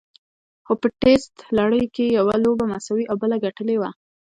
خو په ټېسټ لړۍ کې یې یوه لوبه مساوي او بله ګټلې وه.